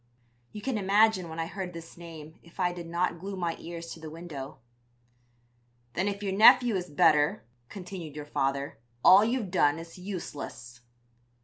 "You can imagine when I heard this name if I did not glue my ears to the window. "'Then if your nephew is better,' continued your father, 'all you've done is useless.'